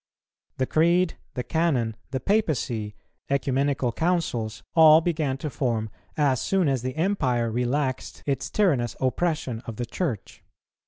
The Creed, the Canon, the Papacy, Ecumenical Councils, all began to form, as soon as the Empire relaxed its tyrannous oppression of the Church.